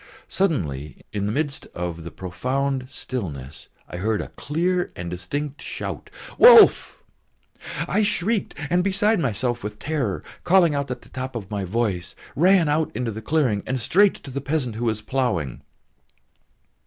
Suddenly in the midst of the profound stillness I heard a clear and distinct shout, "Wolf!" I shrieked and, beside myself with terror, calling out at the top of my voice, ran out into the clearing and straight to the peasant who was ploughing.